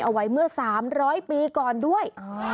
เอาไว้เมื่อ๓๐๐ปีก่อนด้วย